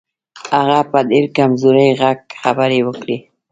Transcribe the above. هغه په ډېر کمزوري غږ خبرې وکړې.